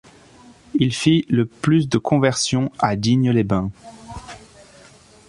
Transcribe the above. Il fit le plus de conversion à Digne-les-Bains.